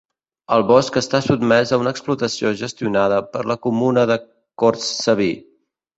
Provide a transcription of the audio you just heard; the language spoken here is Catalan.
El bosc està sotmès a una explotació gestionada per la comuna de Cortsaví.